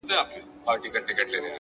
پرمختګ د نن له پرېکړو پیلېږي!